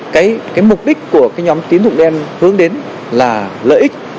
cái mục đích của cái nhóm tín dụng đen hướng đến là lợi ích